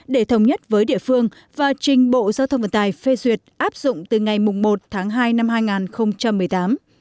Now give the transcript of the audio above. để thống nhất với địa phương và trình bộ giao thông vận tài phê duyệt áp dụng từ ngày một tháng hai năm hai nghìn một mươi tám